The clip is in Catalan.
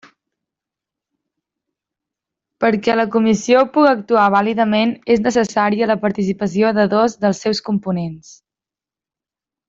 Perquè la comissió puga actuar vàlidament és necessària la participació de dos dels seus components.